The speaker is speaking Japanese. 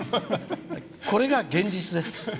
これが現実です。